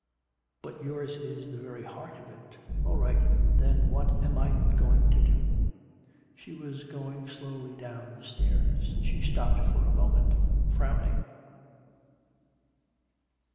But yours is the very heart of it!... All right, then what am I going to do?" She was going slowly down the stairs. She stopped for a moment, frowning.